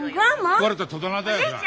壊れた戸棚だよじゃあ！